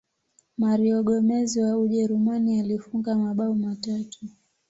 mario gomez wa ujerumani alifunga mabao matatu